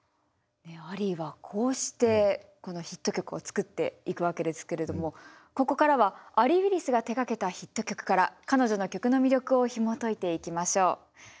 アリーはこうしてこのヒット曲を作っていくわけですけれどもここからはアリー・ウィリスが手がけたヒット曲から彼女の曲の魅力をひもといていきましょう。